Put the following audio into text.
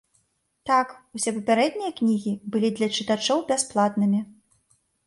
Так, усе папярэднія кнігі былі для чытачоў бясплатнымі.